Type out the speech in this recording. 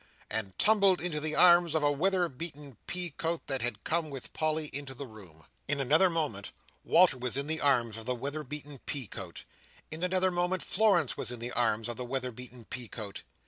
and tumbled into the arms of a weather beaten pea coat that had come with Polly into the room. In another moment, Walter was in the arms of the weather beaten pea coat. In another moment, Florence was in the arms of the weather beaten pea coat.